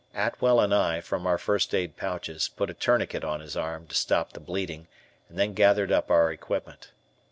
Atwell and I, from our first aid pouches, put a tourniquet on his arm to stop the bleeding, and then gathered up our equipment.